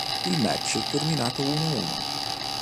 Il match è terminato uno a uno.